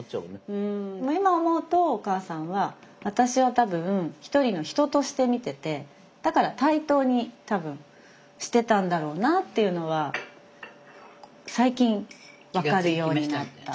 うん今思うとお母さんは私を多分１人の人として見ててだから対等に多分してたんだろうなっていうのは最近分かるようになった。